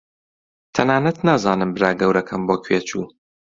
تەنانەت نازانم برا گەورەکەم بۆ کوێ چوو.